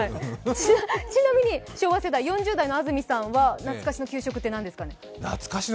ちなみに昭和世代、４０代の安住さんは懐かしの給食は何ですか？